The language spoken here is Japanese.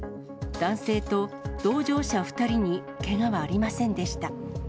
男性と同乗者２人にけがはありませんでした。